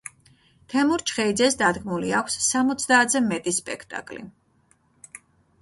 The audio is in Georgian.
თემურ ჩხეიძეს დადგმული აქვს სამოცდაათზე მეტი სპექტაკლი.